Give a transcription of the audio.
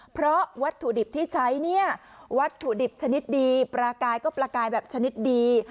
เพราะวัตถุดิบที่ใช้เนี่ยวัตถุดิบชนิดดีปลากายก็ปลากายแบบชนิดดี